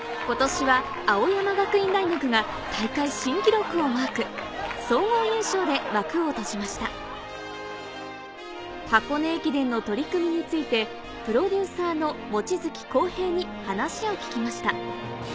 今年は青山学院大学が大会新記録をマーク総合優勝で幕を閉じました箱根駅伝の取り組みについてプロデューサーの望月浩平に話を聞きました